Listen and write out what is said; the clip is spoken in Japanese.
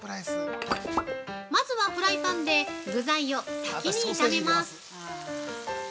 まずはフライパンで具材を先に炒めます！